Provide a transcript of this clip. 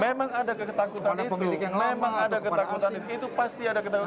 memang ada ketakutan itu memang ada ketakutan itu pasti ada ketahuan